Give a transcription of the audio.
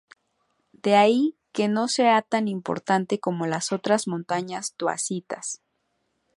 De ahí que no sea tan importante como las otras montañas taoístas.